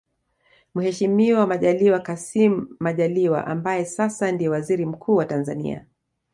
Mheshimiwa Majaliwa Kassim Majaliwa ambaye sasa ndiye Waziri Mkuu wa Tanzania